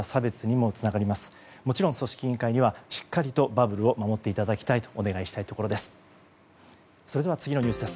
もちろん組織委員会にはしっかりバブルを守っていただきたいとお願いしたいところです。